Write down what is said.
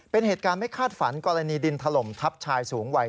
เป็นเหตุการณ์ไม่คาดฝันกรณีดินถล่มทับชายสูงวัย